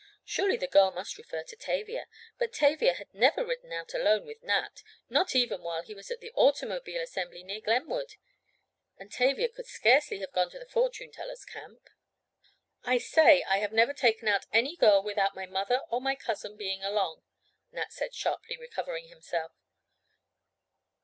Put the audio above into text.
Surely the girl must refer to Tavia, but Tavia had never ridden out alone with Nat, not even while he was at the automobile assembly near Glenwood. And Tavia could scarcely have gone to the fortune teller's camp. "I say I have never taken out any girl without my mother or my cousin being along," Nat said, sharply, recovering himself.